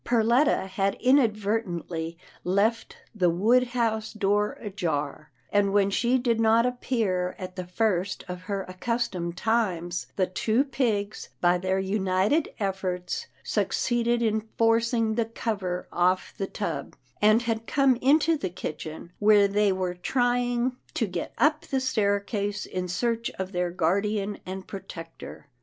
Perletta had inadvertently left the wood house door ajar, and when she did not appear at the first of her accustomed times, the two pigs, by their united efforts, succeeded in forcing the cover ofif the tub, and had come into the kitchen where they wiere trying to get up the staircase in search of their guardian and protector.